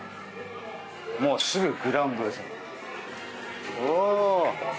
もう、すぐグラウンドです。